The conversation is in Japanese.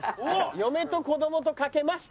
嫁と子供とかけまして。